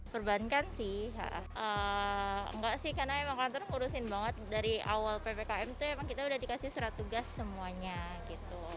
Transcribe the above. perbankan sih enggak sih karena emang kantor ngurusin banget dari awal ppkm itu emang kita udah dikasih surat tugas semuanya gitu